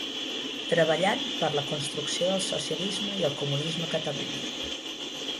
Treballant per la construcció del Socialisme i el Comunisme a Catalunya.